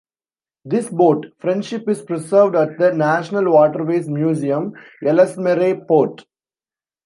This boat, "Friendship", is preserved at the National Waterways Museum, Ellesmere Port.